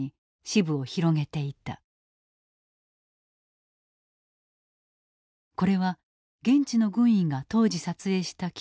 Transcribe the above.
これは現地の軍医が当時撮影した貴重なフィルム。